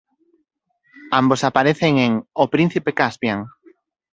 Ambos aparecen en "O Príncipe Caspian".